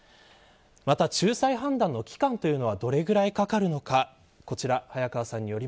また仲裁判断の期間というのはどれくらいかかるのか。